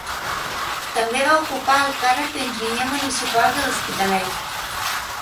També va ocupar el càrrec d'enginyer municipal de l'Hospitalet.